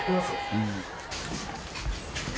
うん。